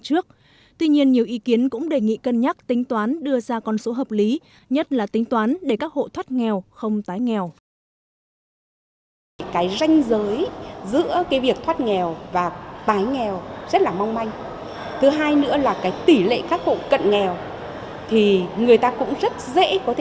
tuy nhiên nhiều ý kiến cũng đề nghị cân nhắc tính toán đưa ra con số hợp lý nhất là tính toán để các hộ thoát nghèo không tái nghèo